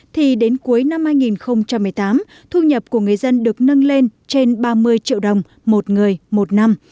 thì đến cuối năm hai nghìn một mươi tám thu nhập của người dân được nâng lên trên ba mươi triệu đồng một người một năm